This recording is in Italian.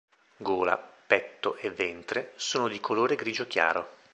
Gola, petto e ventre sono di colore grigio chiaro.